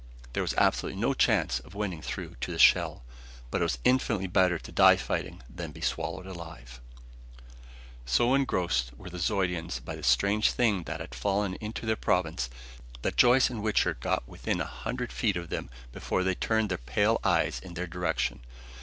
There was absolutely no chance of winning through to the shell, but it was infinitely better to die fighting than be swallowed alive. So engrossed were the Zeudians by the strange thing that had fallen into their province, that Joyce and Wichter got within a hundred feet of them before they turned their pale eyes in their direction.